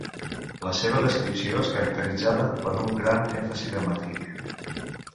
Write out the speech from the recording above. La seva descripció és caracteritzada per un gran èmfasi dramàtic.